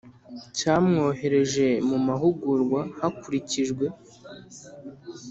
Cyamwohereje mu mahugurwa hakurikijwe